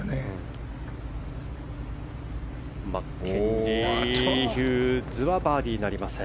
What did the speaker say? マッケンジー・ヒューズはバーディーなりません。